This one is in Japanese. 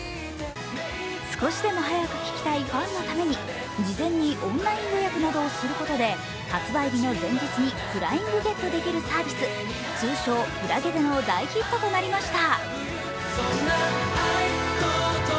少しでも早く聴きたいファンのために、事前にオンライン予約などをすることで、発売日の前日にフライングゲットできるサービス、通称フラゲでの大ヒットとなりました。